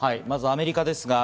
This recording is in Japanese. まずアメリカです。